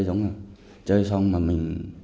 giống như chơi xong mà mình